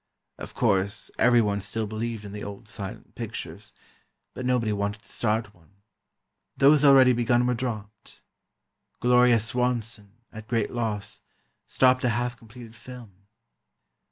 Of course, everyone still believed in the old silent pictures, but nobody wanted to start one. Those already begun were dropped. Gloria Swanson, at great loss, stopped a half completed film.